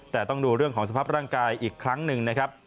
แต่ต้องดูเรื่องของสภาพร่างกายอีกครั้งหนึ่งนะครับ